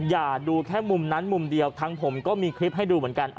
อย่าดูแค่มุมนั้นมุมเดียวทางผมก็มีคลิปให้ดูเหมือนกัน